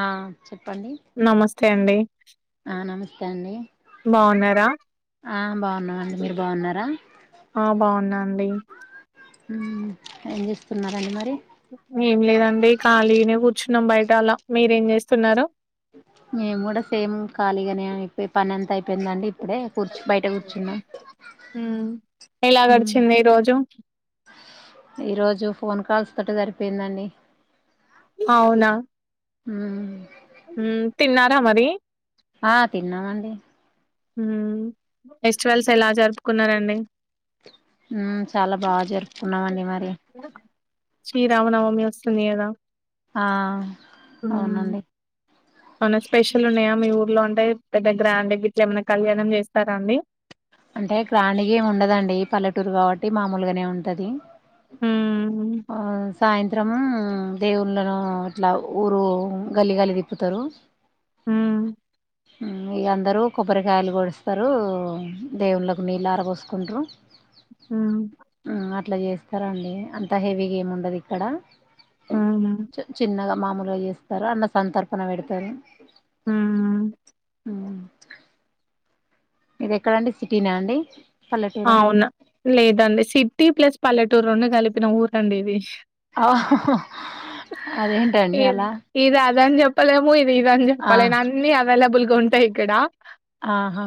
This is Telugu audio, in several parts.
ఆ చెప్పండి త్తే అండి ఆ నమస్తే అండి బాగున్నారా ఆ బాగున్నావండి మీరు బాగున్నారా ఆ బాగున్నా అండి ఏం చేస్తున్నారండి మరి ఏం లేదండి ఖాళీనే కూర్చున్నాం బయట అలా మీరేం చేస్తున్నారు మేము కూడా సేమ్ ఖాళీగానే అయిపోయి పని అంత అయిపోయిందండి ఇప్పుడే కూర్చు బయట కూర్చున్నాం హు ఎలా గడిచింది ఈ రోజు ఈరోజు ఫోన్ కాల్స్ తోటి జరిపోయిందండి అవునా హు హు తిన్నారా మరి ఆ తిన్నామండి హు ఫెస్టివల్స్ ఎలా జరుపుకున్నారండి హు చాలా బాగా జరుపుకున్నామండి మరి శ్రీరామనవమి వస్తుంది కదా ఆ అవునండి ఏమన్న స్పెషల్ ఉన్నాయా మీ ఊర్లో అంటే పెద్ద గ్రాండ్ గా ఇట్లా ఏమైనా కళ్యాణం చేస్తారా అండి అంటే గ్రాండ్ గా ఏమి ఉండదండి పల్లెటూరు కాబట్టి మామూలుగానే ఉంటది మ్మ్ ఆ సాయంత్రం దేవుళ్ళను ఇట్లా ఊరు గల్లి గల్లి తిప్పుతా. రు మ్మ్ హు ఇగ అందరు కొబ్బరికాయలు కొట్స్తారు. దేవుళ్ళలకు నీళ్ళరా పోసుకుంట్రు ఆ అట్లా చేస్తారండి అంత హెవీగా ఏముండదు ఇక్కడ అవునా చ చిన్నగా మామూలుగా చేస్తారు అన్న సంతర్పణ పెడతారు. మ్మ్ అ మీది ఎక్కడండి సిటీనా అండి. పల్లెటూరా అవునా లేదండి సిటీ ప్లస్ పల్లెటూరు రెండు కలిపిన ఊరండి ఇది ఆ అదేంటండి ఇది అలా ఇది అదని చెప్పలేము ఇ ఇదని ఆ చెప్పాలేను అన్ని అవైలబుల్ గా ఉంటాయి. ఇక్కడ ఆహా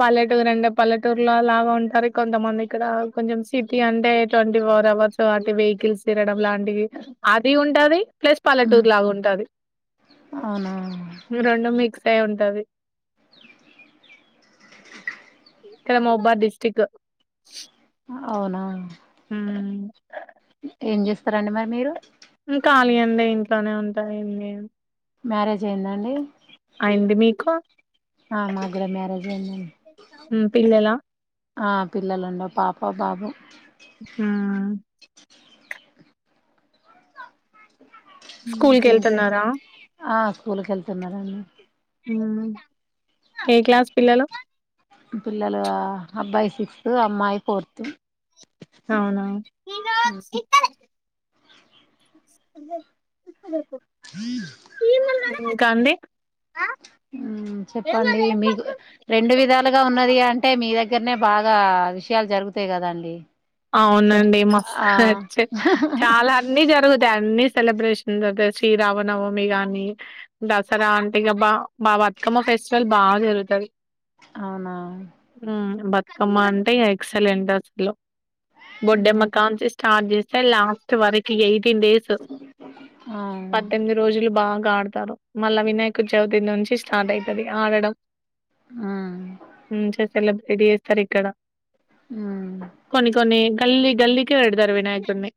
పల్లెటూరండే పల్లెటూర్లో లాభం అంటారు కొంతమంది ఇక్కడ కొంచెం సిటీ అంటే ట్వంటీ ఫోర్ అవర్స్ అటు వెహికల్స్ తీరడం లాంటివి అది ఉంటది. ప్లస్ హ్మ్. పల్లెటూర్ లాగా ఉంటది అవునా ఇగ రెండు మిక్స్ అయ్ ఉంటది. ఇక్కడ మోబ్బా దిస్ చిక్కవ్ అవునా ఊ ఏం చేస్తారండి మరి మీరు ఉ ఖాళీ అండి ఇంట్లోనే ఉంటా ఏం చేయను. మ్యారేజ్ అయ్యిందా అండి. అయ్యింది మీకు ఆ మాకు కూడా మ్యారేజ్ అయిందండి ఉ పిల్లలా ఆ పిల్లలు ఉండర్ పాప బాబు ఊ అ ఊ ఇంకెంటండి స్కూల్‌కెళ్తున్నారా? ఆ స్కూల్కి వెళ్తున్నారండి. ఊ ఏ క్లాస్ పిల్లలు సిక్త్ అమ్మాయి ఫోర్త్ అవునా ఇంకాండి చెప్పండి మీకు రెండు విధాలుగా ఉన్నది అంటే, మీ దగ్గరనే బాగ్ గా విషయాలు జరుగుతయి కదండి. చెప్ అవునండి మస్త్ ఆ చ్చ చాలా అన్ని జరుగుతయి, అన్ని సెలబ్రేషన్ జరుతయి శ్రీరామనవమి గాని, దసరా అంటే ఇగ బా బా బతుకమ్మ ఫెస్టివల్ బాగా జరుగుతది. అవునా అమ్మా అంటే ఎక్సలెంట్ అసలు. బొడ్డెమ్మ మ్మ్ కానించి స్టార్ట్ చేస్ లాస్ట్ వరకి ఎయిట్ టీన్ డేస్ ఆ పద్దెనిమిది రోజులు బాగ్ గాడ్తారు మల్లే వినాయక చవితి నుంచి స్టార్ట్ ఐతది, ఆడడం మ్మ్ ఉమ్ చేత్ రెడీ చేత్తరు ఇక్కడ అ గల్లి గల్లికే వెడతరు వినాయకున్నీ.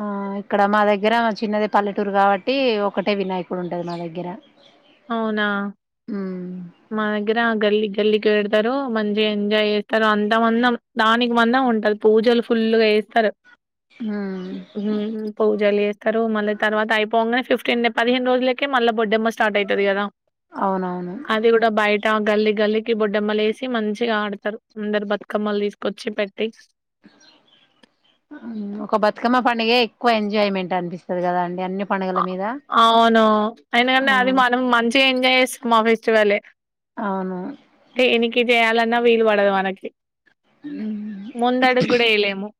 ఆ ఇక్కడ మా దగ్గర చిన్నదే పల్లెటూరు కాబట్టి ఒకటే వినాయకుడు ఉంటది మా దగ్గర. అవునా మ్మ్ మాదగ్గర గల్లీ గల్లికి పెడతరు మంచిగా ఎంజాయ్ చేస్తరు, అంత మందం దానికి మందం ఉంటది, పూజలు ఫుల్గా చేత్తరు. మ్మ్ పూజలు చేత్తరు, మళ్ళీ తర్వాత అయిపొంగనే ఫిఫ్ట్ పదిహే రోజులకె మళ్ళ బొడ్డెమ్మ స్టార్ట్ అయితది కదా, అవునవును అది కూడా బయట గల్లి గల్లికి బొడ్డమ్మలు ఏసి మంచిగా ఆడతారు, అందరు బతుకమ్మలు తీసుకొచ్చి పెట్టి. ఒక బతుకమ్మ పండుగే ఎక్కువ ఎంజాయ్మెంట్ అనిపిస్తది కదాండి అ అవును, ఆ ఎందుకంటే అది మనం మంచిగా ఎంజాయ్ చేస్తాం మా ఫెస్టివలే, అవును దేనికి చేయాల న్న వీలు వడది మనకి ముందడుగు కూడా ఎయలేము.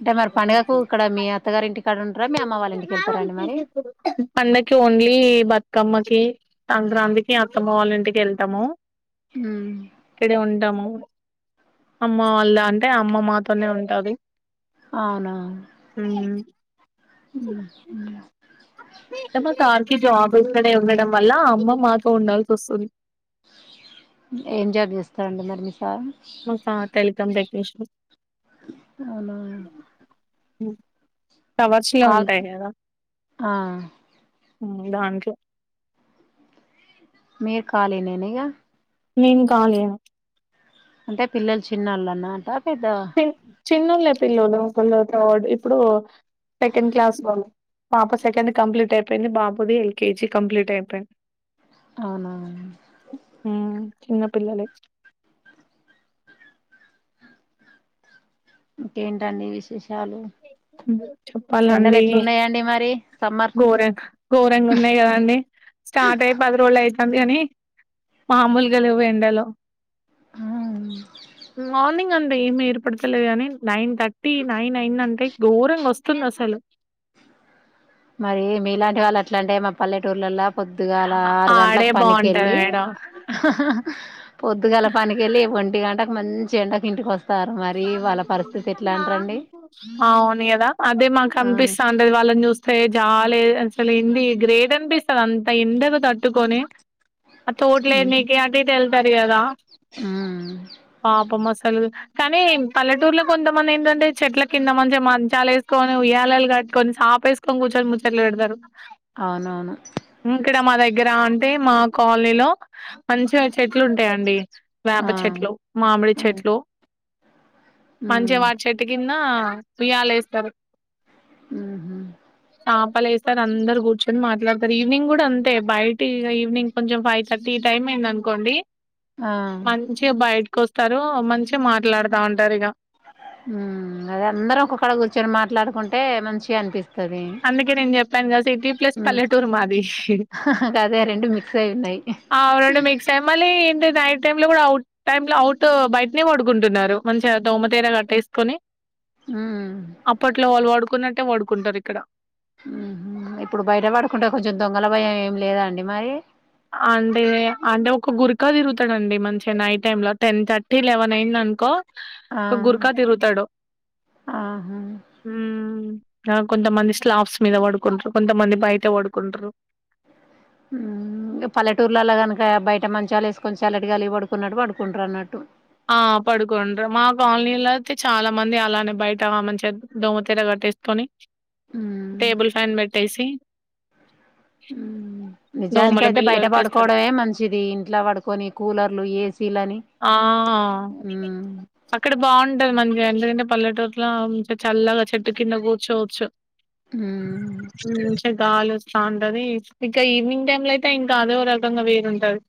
అంటే మరి పండుగకు ఇక్కడ మీ అత్ త గారింటికి పండకి ఓన్లీ బతుకమ్మ కి సంక్రాంతికి, అత్తమ్మ వాళ్ళ ఇంటికి వెళ్తాము ఉమ్, కడే ఉంటరు. అమ్మ వాళ్ళ అంటే, అమ్మ మాతోనే ఉంటది. అవునా ఉమ్ అంటే ఉ మా సార్ కి జాబ్ ఇక్కడే ఉండడం వల్ల అమ్మ మాతో ఉండాల్సి వస్తుంది. ఏం జాబ్ చేస్తారండి మరి మీరు మకా టెలికాం టెక్నీషియన్ అవునా హ్మ్ టవర్స్ లో కాల్ ఉంటాయి కదా ఆ దాంట్లో మీరు ఖాళీనేనే ఇగా నేను ఖాళీ యే అంటే పిల్లలు చిన్న వాళ్ళన్న అట ఏదా చిన్నోళ్లే పిల్లోలు ఒకల్లు థర్డ్ ఇప్పుడు సెకండ్ క్లాస్ లో పాప సెకండ్ కంప్లీట్ అయిపోయింది బాబుది ఎల్కేజీ కంప్లీట్ అయిపోయింది అవునా చిన్నపిల్లలే ఇంకేంటండి విశేష చాలు ఎండలు ఎట్లున్నాయాండి మరి సమ్మర్ గోరంగ గోరంగ ఉన్నాయి కదండి స్టార్ట్ అయి్యి పది రోజులు అవుతుంది కాని మూలుగాలివేండలో మని అంటే ఏమి ఏర్పడతలే ని నైన్ థర్టీ నైన్ అయిన్ అంటే ఘోరంగా వస్తుంది అసలు మరి మీలాంటి వాళ్ళు అట్లా అంటే మా పల్లెటూర్లలో పొద్దుగాల ఆరు గంటలకు ఆడే బాగుంటది పనికిళ్ళి మేడం పొద్దుగాల పనికిళ్ళి ఒంటి గంట మంచి ఎడా క ఇంటి కోస్త అవును కదా అదే మాకు ఆ అనిపిస్తాంది వాళ్ళని చూస్త సరే చాలే అసలు ఏంది గ్రేట్ అనిపిస్తుంది అంత ఎండగా తట్టుకొని తోటలేదు నీకు అంట తెలు తెయదా ఉమ్ ఆ మసాలా కానీ పల్లెటూరులో కొంతమంది ఏంటంటే చెట్ల కింద మంచిగా మంచాలు వేసుకొని ఉయ్యాలాలు కట్టుకొని సాప వేసుకొని కూర్చొని ముచ్చట్లు పెడతారు అవునవును ఇక్కడ మా దగ్గరంట అే మా కాలనీలో మంచిగా చెట్లు ఉ సరే అండి వేప ఆ చెట్లు, మామిడి చెట్లు ఉమ్ మంచిగ్ వా చేట్కి ఉన్నావా ఊయ్యలేస్తావు ఆ బలే చెస్తారు అందరు కూర్చొని మాట్లాడతరు ఈవినింగ్ కూడా అంతే బయట ఇగ ఈవినింగ్ కొంచెం ఫైవ్ థర్టీ టైం అయిందనుకోండి ఆ మంచిగ బయట కొస్తారు మంచిగ మాట్ మాట్లాడుతా ఉంటారు ఇగ హు అదే అందరం ఒక్కొక్కడ కూర్చొని మాట్లాడుకుంటే మంచిగా అనిపి అందుకే నేను చెప్పాను కదా సిటీ ప్లస్ ఉమ్ పల్లెటూరు మాది అదే రెండు మిక్స్ అయి ఉన్నాయి అవురెండు మీస్క్స్ అయి మ్మళి ఏంటి నై టైం ల కూడా అవుట్ టైమ్ ల అవుట్ బయటనే పడుకుంటున్నారు మంచిగా దోమతేర కట్టేసుకొని ఉమ్ అప్పట్లో వాళ్ళు పడు కున్నట్టే పడుకుంటారు ఇక్కడ ఇప్పుడు బయట పడుకుంటే కొంచెం దొంగల భయం ఎం లేదా అండి మరి అంటే అంటే ఒక గురకా తిరుగుతాడండి మంచిగా నైట్ టైమ్ ల టెన్ థర్టీ లెవెన్ అఇందనుకో ఆ ఒక గుర్కా తిరుగుతాడు ఆహా మ్ ఆ కొంతమంది స్లాబ్స్ మీద పడుకుంట్రూ కొంతమంది బయట పడుకుంటరు హు ఇగ పల్లెటూర్లల్ల గనుక బయట మంచాలేసుకొని చల్లటిగాలికి పడుకున్నట్టు పడుకుంటారు అన్నట్టు ఆ పడుకోంట్రూ మా కాలనీల అయితే చాలా మంది అలానే బయట మంచిగా దోమతేర కట్టేసుకొని మ్మ్ టేబుల్ ఫ్యాన్ పెట్టేసి దోమల నిజానికయితే బిళ్ళ బయట పెట్టేస్తారు. పడుకోవడమే మంచిది ఇంట్ల పడుకొని కూలర్లు ఏసీలు ఆ అక్కడ బాగుంటది మంచిగా ఎందుకంటే పల్లెటూర్ల మంచిగ చల్లగా చెట్టు కింద కూర్చోవచ్చు మ్మ్ మ్ గాలోస్తాంటది ఇంక ఈవినింగ్ టైమ్ లో అయితే ఇంకా అదో రకంగా వేరుంటది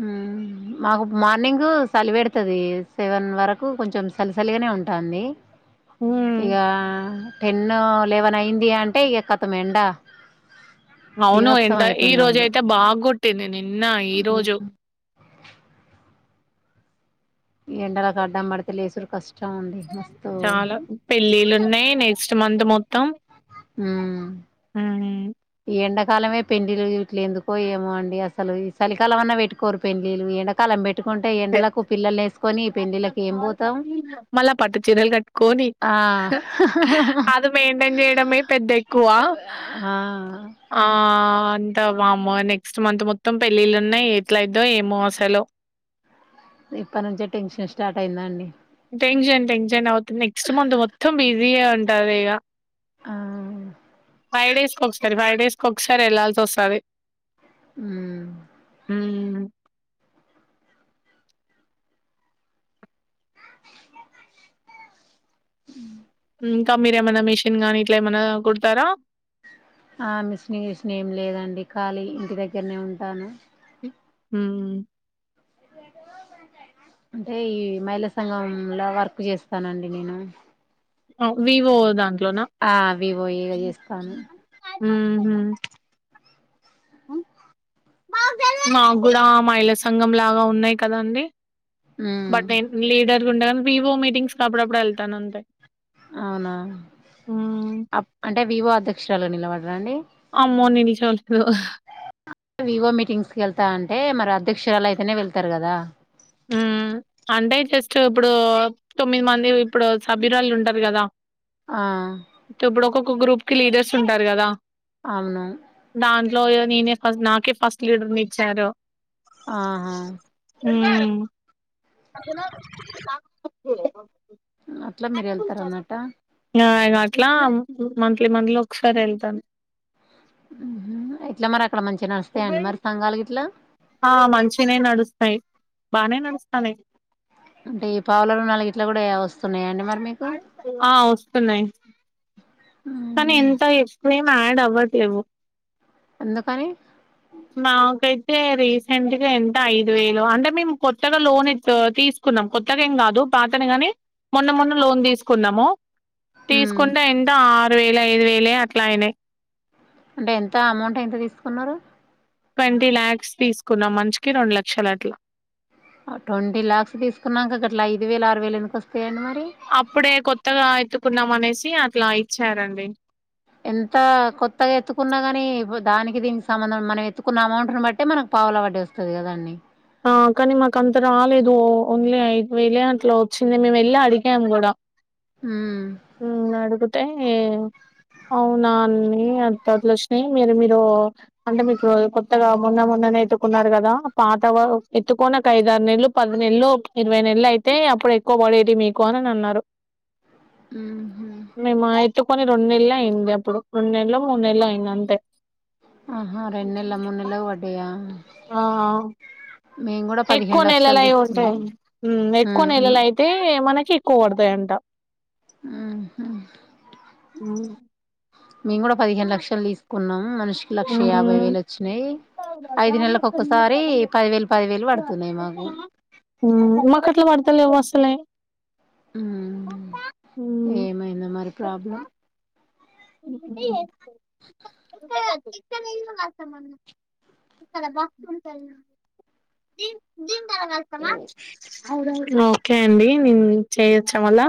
హు మాకు మార్నింగ్ గు చలి పెెడుతది సెవెన్ వరకు కొంచెం సలిసలిగానే ఉంటంది ఉమ్ ఇగ టెన్ లెవెన్ అఇంది అంటే ఇగ కతం ఎండా అవును ఎండ ఈ రోజ అయితే బాగ్గో టింది నిన్న ఈ మ్మ్ రోజు ఎండలకడ్డం పడితే లేసుడు కష్టం అండి మస్తు నేక్స్ట్ మంత్ మొ హు ఉమ్ ఈ ఎండక్ కాలమే పెండ్లిళ్ళు గిట్ల ఎందుకో ఏమో అండి అసలు ఈ చలికాలం అన్న పెట్టుకోరు పెండ్లిళ్లు ఎండకాలం పెట్ పెండ్లిలకి ఏం పోతాం మళ్ళా పట్టు చిరలు కట్టుకొని ఆ అది మేమ్ చేయడమే పెద్ద ఎక్కువ ఆ ఆ ము నెక్స్ట్ మంత్ మొత్తం పెళ్ళిళ్ళున్నాయి ఎట్లయిదో ఏమో అసలు ఇప్పటి నుంచే టెన్షన్ స్టార్ట్ అయిందా అండి టెన్షన్ టెన్షన్ అవుత్ నెక్స్ట్ మంత్ మొత్తం బీ ఇయ ఉంటారు ఇక ఆ ఫైవ్ డేస్ క ఒకసారి ఫైవ్ డేస్ క ఒకసారి వెళ్ాల్సి వస్తుంది మ్మ్ హ్మ్మ్ ఉ ఇంకా మీర ఏమైనా మిషిన్ గానీ ఇట్లా ఏమైనా కుడతారా ఆ మిస్నింగ్షన్ ఏం లేదండి ఖాళీ ఇంటి దగ్గరనే ఉంటాను హ్మ్మ్ అంటే మహిళా సంఘం లో వర్క్ చేస్త స్తానండి నేను ఆ వివో అ దాంట్లోన ఆ వివో ఏ చేస్తాను హ్మ్మ్ హ్మ్మ్ మా కూడా మాహీళా సంఘం లాగా ఉన్నాయి్ కదా అండి మ్మ్ బట్ లీడర్ ంట వివో మీటింగ్స్ అప్పుడప్పుడు వెళ్తాను అంతే అవునా అంటే వివో అధ్యక్షురాలు నిలవా రని అమ్మో నేనూ ఏం చేయను వివో మీటింగ్స్ క వెళ్తా అంటే మరి అధ్యక్షురాలు అయితేనే వెళ్తారు కదా హ్మ్. అంటే జస్ట్ ఇప్పుడు తొమ్మిది మంది ఇప్పుడు సభ్యురాలుు ఉంటారు కదా ఆ గ్రూప్ కి లీడర్స్ ఉంటారు కదా అవును లోయో నేనే ఫస్ట్ నాకే ఆహా హ్మ్మ్ అది అట్లా మీరు వెళ్తార అన్నాట్ట ఇ అట్లా మంత్లీ మంత్లీ ఒకసారి వెళ్తాను ఎట్లా మ రా అక్కడ మంచిగా నడుస్తాయండి మరి సంఘాలు గిట్ల ఆ మంచిగనే నడుస్తయి బానే నడుస్తానయి. అంటే ఈ పావులలు నాలుగిట్ల కూడా వస్తున్నయ అండి. మరి మీకు ఆ వస్తున్నయి. కానీ ఉమ్ ఎంత ఎక్స్ట్రా ఏం యాడ్ అవ్వట్లేవు. ఎందుకని. నాకైతే రీసెంట్గా ఎంత ఐదు వేలు అంటే మేము కొత్తగా లోన్ ఎత్ తీసుకున్నాం. కొత్తగా ఏం కాదు పాతనే గాని మొన్న మొన్ననే లోన్ తీసుకున్నము. ఉమ్ తీసుకుంటే ఎంత ఆ రు వేలు ఐదు వేలేయ్ అట్లా అయినయి. అంటే ఎంత అమౌంట్ ఎంత తీసుకున్నరు. ట్వంటీ ల్యాక్స్ తీసుకున్నాం మనిషికి రెండు లక్షలు అట్లా. ట్వంటీ లాక్స్ తీసుకున్నాంక అట్లా ఐదు వేలు ఆరు వేలు ఎందుకు వస్తాయండి మరి. అప్పుడే కొత్తగా ఆయితు కున్నాం అనేసి అట్లా ఇచ్చారండి. ఎంత కొత్తగా ఎత్తుకున్నా కాని దానికి దీనికి సంబంధం మనం ఎత్తుకున్న అమౌంట్ని బట్టే మనకు పావలా వడ్డి వస్తది కదండి. కానీ మాకు అంత రాలేదు ఓ ఓన్లీ ఐదు వేలే అట్లా వచ్చింది మేము వెళ్ళి అడిగాం కూడా ఉమ్ అడిగితే అవునా అ ఎ [inaudible] వచ్చినయి మీరు మీరు అంటే మీకు కొత్తగా మొన్న మొన్ననే ఎత్తుకున్నారు కదా పా తవు ఆగు ఎత్తుకోనక ఐదు ఆరు నెలలు పది నెలలు ఇరవై నెలలు అయితే అప్పుడు ఎక్కువ పడేటియి మీకు అని అన్నారు. ఉహు మెమా యిటు కొని రెండునెల్లె అయింది అప్పుడు రెండు నెల్లో మూడు నెల్లో అయింది అంతే. ఆహా రెండ్నెల్ల మూన్నెలకు పడ్డయా. ఆ అవు ఎక్కువ పదిహేను లక్షలు నెలలయి తీసుకున్నాం ఉంటయి. హ్ ఎక్కువ ఉమ్ నెలలయితే మన కి ఎక్కువ పడ్తయి అంట. హుహ్ మ్మ్ మేము కూడా పదిహేను లక్షలు తీసుకున్నం. మనిషికి లక్ష యాభై వేలు వచ్చినయి. ఐదు నెలలకు ఒక్కసారి పది వేలు పది వేలు పడుతున్నయి మాకు. వత్తలేవు అసలే. హ్ మ్మ్ ఏమైందో మరి ప్రాబ్లం. ఇనే మన ఇ బ ఆ ఓకే అండి నేను చేయచ్చా మల్లా.